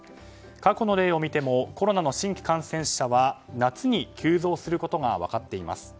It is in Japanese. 過去の例を見てもコロナの新規感染者は夏に急増することが分かっています。